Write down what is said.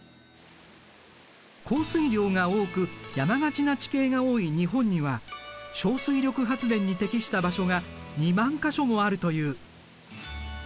降水量が多く山がちな地形が多い日本には小水力発電に適した場所が２万か所もあるという。